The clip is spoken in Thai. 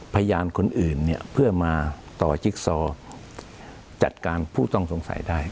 พยานคนอื่นเนี่ยเพื่อมาต่อจิ๊กซอจัดการผู้ต้องสงสัยได้